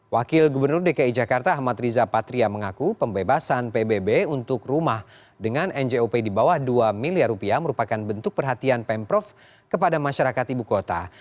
wakil gubernur dki jakarta ahmad riza patria mengaku pembebasan pbb untuk rumah dengan njop di bawah dua miliar rupiah merupakan bentuk perhatian pemprov kepada masyarakat ibu kota